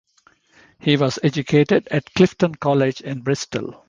He was educated at Clifton College in Bristol.